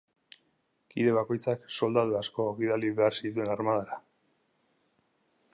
Kide bakoitzak soldadu asko bidali behar zituen armadara.